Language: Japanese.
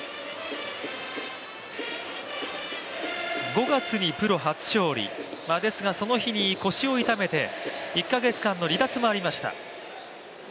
５月にプロ初勝利、ですがその日に腰をいためて１か月間の離脱もありました。